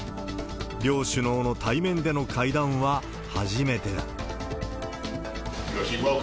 両首脳の対面での会談は初めてだ。